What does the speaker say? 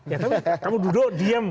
ya tapi kamu duduk diem